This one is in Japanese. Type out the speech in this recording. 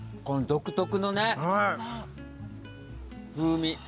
この独特のね風味。